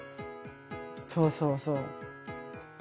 そうそうそう。